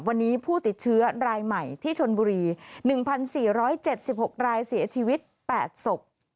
วันนี้ผู้ติดเชื้อรายใหม่ที่ชนบุรี๑๔๗๖รายเสียชีวิต๘ศพ